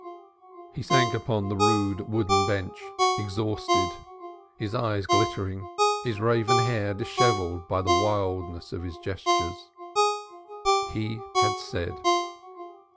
He sank upon the rude, wooden bench, exhausted, his eyes glittering, his raven hair dishevelled by the wildness of his gestures. He had said.